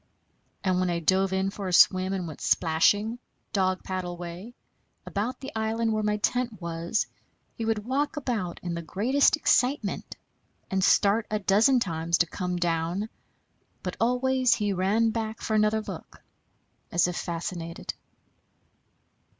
And when I dove in for a swim and went splashing, dog paddle way, about the island where my tent was, he would walk about in the greatest excitement, and start a dozen times to come down; but always he ran back for another look, as if fascinated.